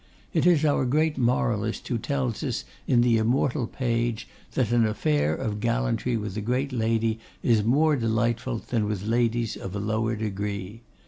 It is our great moralist who tells us, in the immortal page, that an affair of gallantry with a great lady is more delightful than with ladies of a lower degree.